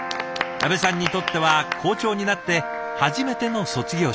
安部さんにとっては校長になって初めての卒業式。